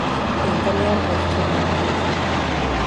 Interiér byl v černé kůži.